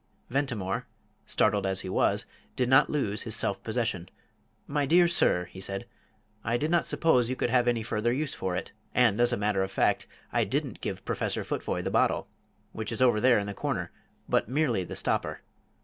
Ventimore, startled as he was, did not lose his self possession. "My dear sir," he said, "I did not suppose you could have any further use for it. And, as a matter of fact, I didn't give Professor Futvoye the bottle which is over there in the corner but merely the stopper.